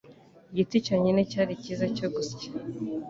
Igiti cyonyine cyari cyiza cyo gusya